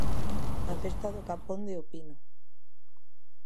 A festa do capón de O Pino.